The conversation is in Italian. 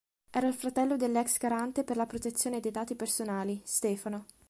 Era il fratello dell'ex garante per la protezione dei dati personali, Stefano.